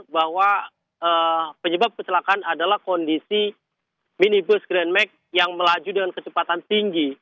bahwa penyebab kecelakaan adalah kondisi minibus grandmake yang melaju dengan kecepatan tinggi